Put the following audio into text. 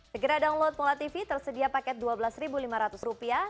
segera download mola tv tersedia paket rp dua belas lima ratus